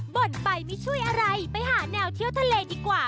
บ่นไปไม่ช่วยอะไรไปหาแนวเที่ยวทะเลดีกว่า